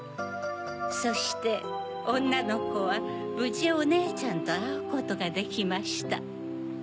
そしておんなのコはぶじおねえちゃんとあうことができました。